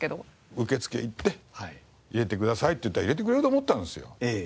受付行って入れてくださいっていったら入れてくれると思ったんですよ。